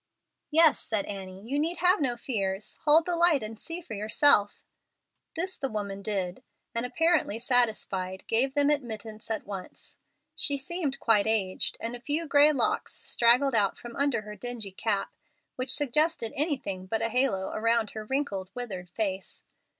"Yes," said Annie, "you need have no fears. Hold the light, and see for yourself." This the woman did, and, apparently satisfied, gave them admittance at once. She seemed quite aged, and a few gray locks straggled out from under her dingy cap, which suggested anything but a halo around her wrinkled, withered face.